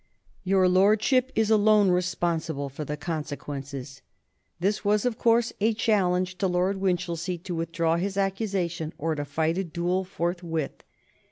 Your Lordship is alone responsible for the consequences." This was, of course, a challenge to Lord Winchilsea to withdraw his accusation or to fight a duel forthwith.